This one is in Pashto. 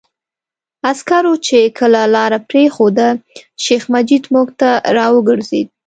عسکرو چې کله لاره پرېښوده، شیخ مجید موږ ته را وګرځېد.